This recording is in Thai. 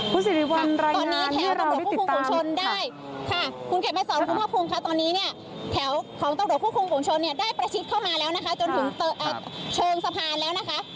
ตอนนี้แถวตรงโดขุมคุมชนได้ค่ะคุณเขตมันสอนคุณพ่อคุมค่ะตอนนี้เนี่ยแถวของตรงโดขุมคุมชนเนี่ยได้ประชิดเข้ามาแล้วนะคะจนถึงเชิงสะพานแล้วนะคะ